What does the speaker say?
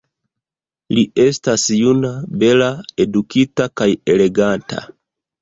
Li estas juna, bela, edukita kaj eleganta.